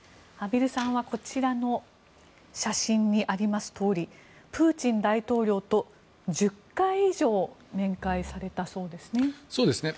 畔蒜さんはこちらの写真にありますとおりプーチン大統領と１０回以上面会されたそうですね。